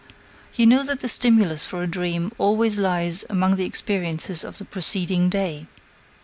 "You know that the stimulus for a dream always lies among the experiences of the preceding day."